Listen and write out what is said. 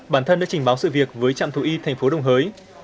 bản thân đã trình báo sự việc với trạm thủ y thành phố đông hới